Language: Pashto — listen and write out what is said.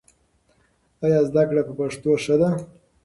ایا زده کړه په پښتو ښه ده؟